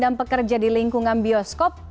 dan pekerja di lingkungan bioskop